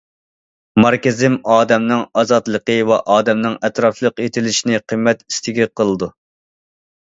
ماركسىزم ئادەمنىڭ ئازادلىقى ۋە ئادەمنىڭ ئەتراپلىق يېتىلىشىنى قىممەت ئىستىكى قىلىدۇ.